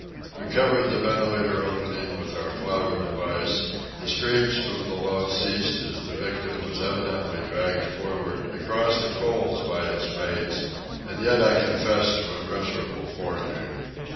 We covered the ventilator opening with our flour device; the screams from below ceased as the victim was evidently dragged for'ard across the coal by his mates; and yet I confess to a miserable forenoon.